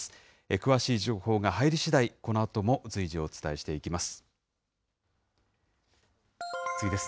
詳しい情報が入りしだい、このあとも随時お伝えしていきます。